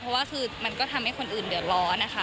เพราะว่าคือมันก็ทำให้คนอื่นเดือดร้อนนะคะ